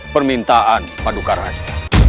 permintaan paduka raja